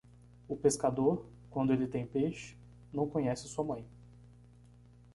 O pescador, quando ele tem peixe, não conhece sua mãe.